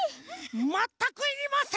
まったくいりません。